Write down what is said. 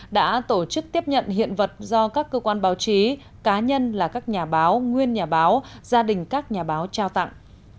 đã tổ chức tiếp nhận hiện vật do các cơ quan báo chí cá nhân là các nhà báo nguyên nhà báo gia đình các nhà báo trao tặng